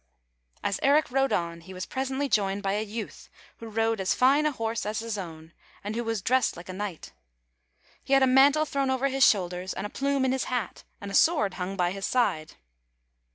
" As Eric rode on he was presently joined by a youth who rode as fine a horse as his own, and who was dressed like a knight. He had a mantle thrown over his shoulders, [ 159 ] FAVORITE FAIRY TALES RETOLD and a plume in his hat, and a sword hung by his side.